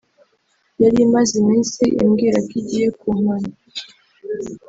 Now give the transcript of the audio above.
yarimaze iminsi imbwira ko igiye kumpana